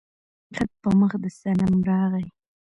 خط په مخ د صنم راغى